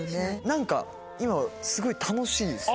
何か今すごい楽しいです。